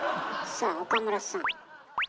さあ岡村さん。